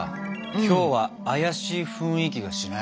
今日は怪しい雰囲気がしない？